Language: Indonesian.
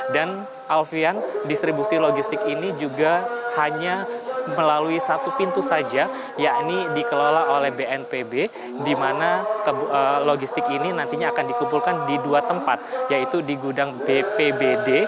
dan alvian distribusi logistik ini juga hanya melalui satu pintu saja yakni dikelola oleh bnpb di mana logistik ini nantinya akan dikumpulkan di dua tempat yaitu di gudang bpbd